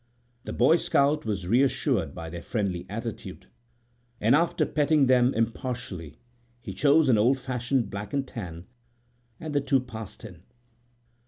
The Boy Scout was reassured by their friendly attitude, and after petting them impartially, he chose an old fashioned black and tan, and the two passed in.